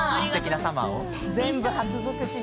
全部、初尽くしで。